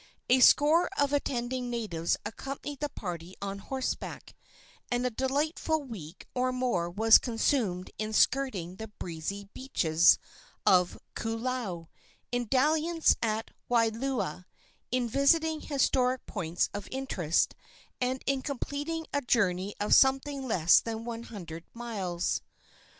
A score of attending natives accompanied the party on horseback, and a delightful week or more was consumed in skirting the breezy beaches of Koolau, in dalliance at Waialua, in visiting historic points of interest, and in completing a journey of something less than one hundred miles.